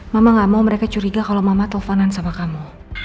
mama gak mau mereka curiga kalau mama teleponan sama kamu